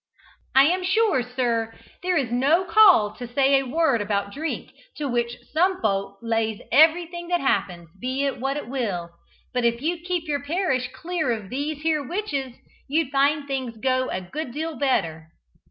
"I am sure, sir, there is no call to say a word about drink, to which some folk lays everything that happens, be it what it will. But if you'd keep your parish clear of these here witches, you'd find things go a good deal better!"